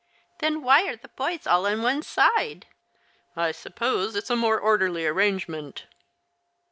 " Then why are the boys all on one side ?"" I suppose it's a more orderly arrangement."